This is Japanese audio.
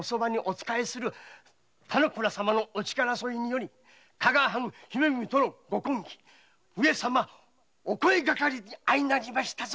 田之倉様のお力添えで加賀藩姫君との御婚儀“上様お声掛かり”と相なりましたぞ。